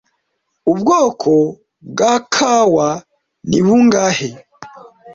Ubwoko bwa kawa ni bungahe